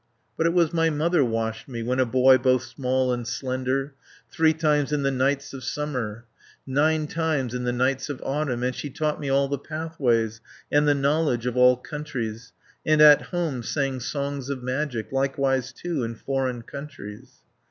"But it was my mother washed me, When a boy both small and slender, Three times in the nights of summer. Nine times in the nights of autumn, And she taught me all the pathways, And the knowledge of all countries, 440 And at home sang songs of magic, Likewise too in foreign countries."